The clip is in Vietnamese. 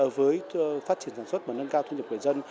với phát triển sản xuất và nâng cao thu nhập của dân